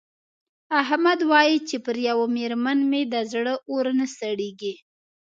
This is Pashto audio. احمد وايې چې پر یوه مېرمن مې د زړه اور نه سړېږي.